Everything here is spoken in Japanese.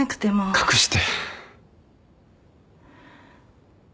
隠して。